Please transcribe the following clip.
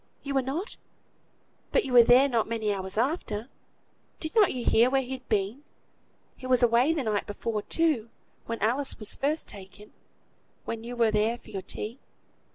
you were not; but you were there not many hours after. Did not you hear where he'd been? He was away the night before, too, when Alice was first taken; when you were there for your tea.